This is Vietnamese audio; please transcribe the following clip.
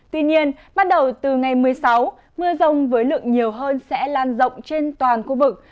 tuy nhiên bắt đầu từ ngày một mươi sáu mưa rông với lượng nhiều hơn sẽ lan rộng trên toàn khu vực